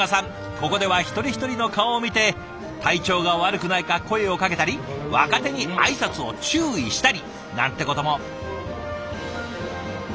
ここでは一人一人の顔を見て体調が悪くないか声をかけたり若手に挨拶を注意したりなんてことも。